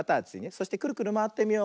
そしてクルクルまわってみよう。